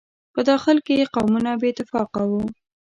په داخل کې یې قومونه بې اتفاقه وو.